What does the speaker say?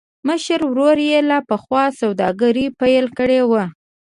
مشر ورور يې لا پخوا سوداګري پيل کړې وه.